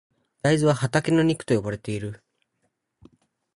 大豆は畑の肉と呼ばれている。